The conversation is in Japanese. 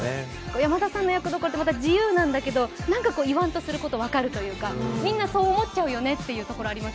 山田さんの役どころって、自由なんだけど、言わんとするところが分かるというかみんなそう思っちゃうよねというところがあります。